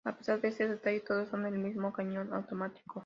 A pesar de este detalle, todos son el mismo cañón automático.